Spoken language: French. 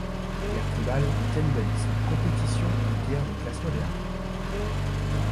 Guerres tribales et cannibalisme, compétitions et guerres de classes modernes.